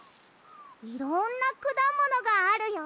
いろんなくだものがあるよ。